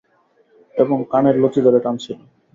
এবং কানের লতি ধরে টানছিলো।